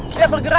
siap bergerak yuk